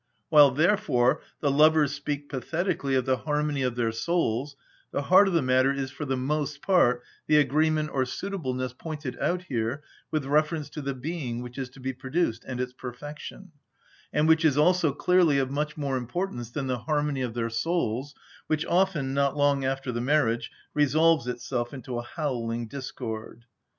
While, therefore, the lovers speak pathetically of the harmony of their souls, the heart of the matter is for the most part the agreement or suitableness pointed out here with reference to the being which is to be produced and its perfection, and which is also clearly of much more importance than the harmony of their souls, which often, not long after the marriage, resolves itself into a howling discord.